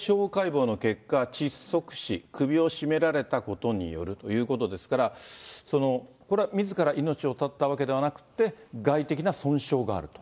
司法解剖の結果、窒息死、首を絞められたことによるというものですから、これはみずから命を絶ったわけではなくて、外的な損傷があると。